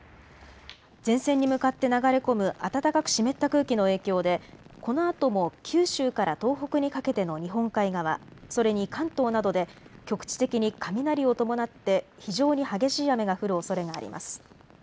前線に向かって流れ込む暖かく湿った空気の影響でこのあとも九州から東北にかけての日本海側、それに関東などで局地的に雷を伴って非常に激しい雨が降るおそれがあります。